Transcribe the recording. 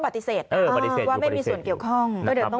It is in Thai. ปฏิเสธเออปฏิเสธว่าไม่มีส่วนเกี่ยวข้องแต่เดี๋ยวต้อง